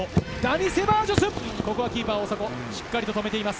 セバジョス、ここはキーパー・大迫、しっかり決めています。